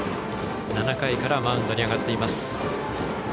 ７回からマウンドに上がっています。